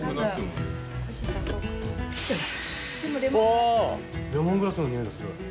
レモングラスのにおいがする。